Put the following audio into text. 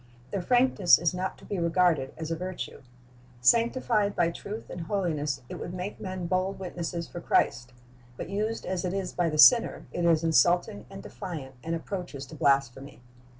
Their frankness is not to be regarded as a virtue. Sanctified by truth and holiness, it would make men bold witnesses for Christ; but used as it is by the sinner, it is insulting and defiant, and approaches to blasphemy.